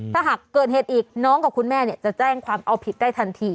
ถ้าหากเกิดเหตุอีกน้องกับคุณแม่จะแจ้งความเอาผิดได้ทันที